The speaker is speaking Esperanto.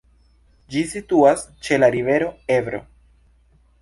Ĝi situas ĉe la rivero Ebro.